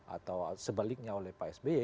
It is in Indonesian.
atau sebaliknya oleh pak sby